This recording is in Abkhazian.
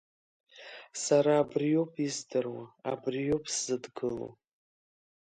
Сара абриоуп издыруа, абриоуп сзыдгыло!